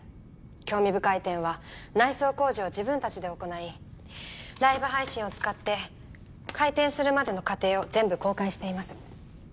興味深い点は内装工事を自分たちで行いライブ配信を使って開店するまでの過程を全部公開しています。